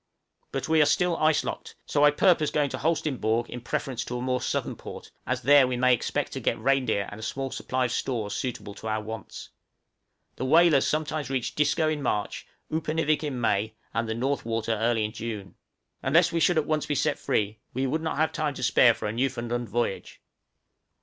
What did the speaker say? But we are still ice locked, so I purpose going to Holsteinborg in preference to a more southern port, as there we may expect to get reindeer and a small supply of stores suitable to our wants. The whalers sometimes reach Disco in March, Upernivik in May, and the North Water early in June. Unless we should be at once set free, we would not have time to spare for a Newfoundland voyage.